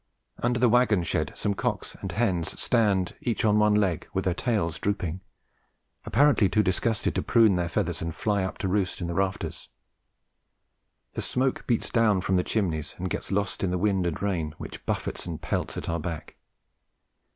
Under the waggon shed some cocks and hens stand each on one leg, with their tails drooping, apparently too disgusted to prune their feathers and fly up to roost in the rafters. The smoke beats down from the chimneys and gets lost in the wind and rain which buffets and pelts at our back.